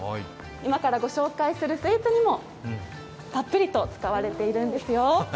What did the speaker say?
今から御紹介するスイーツにもたっぷりと使われているんですよ。